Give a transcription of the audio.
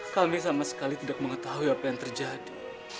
kami sama sekali tidak mengetahui apa yang terjadi